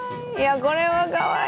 これはかわいい。